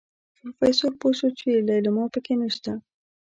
پروفيسر پوه شو چې ليلما پکې نشته.